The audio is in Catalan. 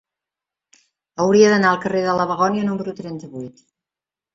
Hauria d'anar al carrer de la Begònia número trenta-vuit.